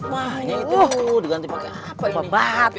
mahnya itu tuh diganti pake apa ini